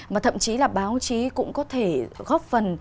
và thậm chí là báo chí cũng có thể góp phần